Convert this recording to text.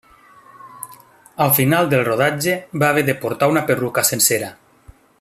Al final del rodatge va haver de portar una perruca sencera.